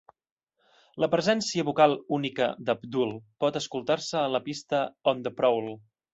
La presència vocal única d'Abdul pot escoltar-se a la pista On the Prowl.